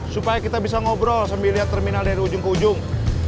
supaya kita bisa ngobrol sambil lihat terminal dari ujung ke ujung